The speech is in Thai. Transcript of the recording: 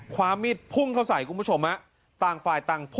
ความมีดพุ่งเขาใส่คุณผู้ชมนะ